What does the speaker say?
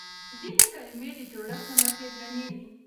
ځينې کلمې د جوړښت له مخې درنې وي.